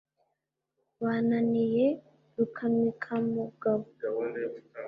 bananiye Rukanikamugabo;